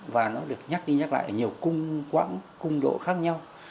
và nó được nhắc đi nhắc lại ở nhiều cung quãng cung độ khác nhau